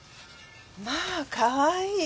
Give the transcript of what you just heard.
まあかわいい！